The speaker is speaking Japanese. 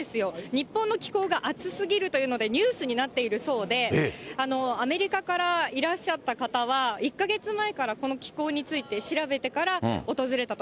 日本の気候が暑すぎるというので、ニュースになっているそうで、アメリカからいらっしゃった方は、１か月前からこの気候について調べてから訪れたと。